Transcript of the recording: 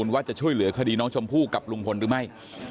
ว่าจะช่วยเหลือคดีน้องชมพู่กับลุงพลหรือไม่